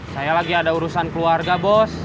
saya lagi ada urusan keluarga bos